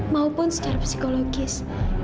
maupun secara psikologis